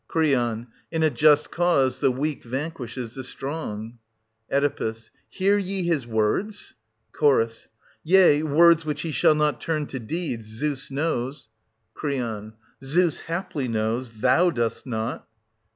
Cr. In a just cause the weak vanquishes the 8S0 strong. Oe. Hear ye his words ? Ch. Yea, words which he shall not turn to deeds, Zeus knows ! Cr. Zeus haply knows — thou dost not.